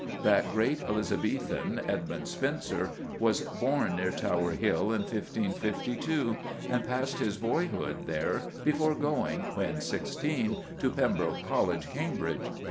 That great Elizabethan, Edmund Spenser, was born near Tower Hill in 1552, and passed his boyhood there, before going, when sixteen, to Pembroke College, Cambridge.